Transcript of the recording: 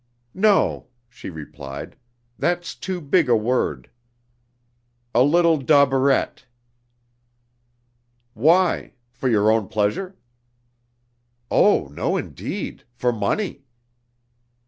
"No," she replied, "that's too big a word. A little dauberette." "Why? For your own pleasure?" "Oh, no indeed! For money."